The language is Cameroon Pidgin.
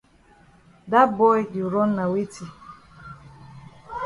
Dat boy di run na weti?